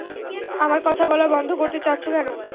আমার কথা বলা বন্ধ করতে চাচ্ছো কেন?